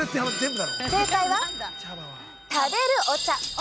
正解は食べるお茶。